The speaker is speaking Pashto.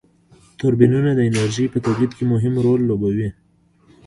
توربینونه د انرژی په تولید کی مهم رول لوبوي.